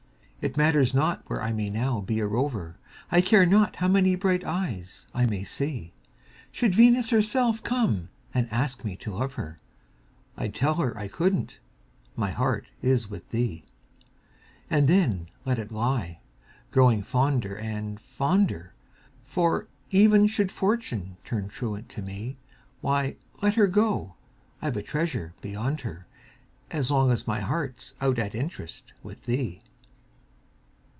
It matters not where I may now be a rover, I care not how many bright eyes I may see; Should Venus herself come and ask me to love her, I'd tell her I couldn't my heart is with thee. And there let it lie, growing fonder and, fonder For, even should Fortune turn truant to me, Why, let her go I've a treasure beyond her, As long as my heart's out at interest With thee!